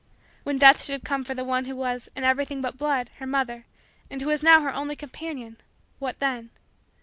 When Death should come for that one who was, in everything but blood, her mother and who was, now, her only companion what then?